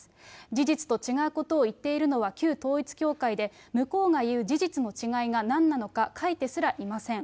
事実と違うことを言っているのは旧統一教会で、向こうが言う事実の違いがなんなのか書いてすらいません。